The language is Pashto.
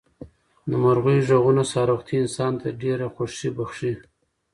د مرغیو غږونه سهار وختي انسان ته ډېره خوښي بښي.